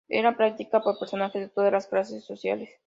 Era practicada por personas de todas las clases sociales.